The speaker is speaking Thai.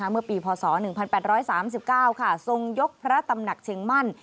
เมื่อปีพศ๑๘๓๙ทรงยกพระตำหนักเชียงมั่น